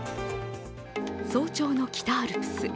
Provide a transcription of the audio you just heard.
早朝の北アルプス。